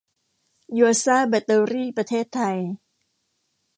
ยัวซ่าแบตเตอรี่ ประเทศไทย